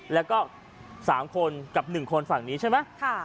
แล้วก็๓คนกับ๑คนฝั่งนี้ใช่ไหม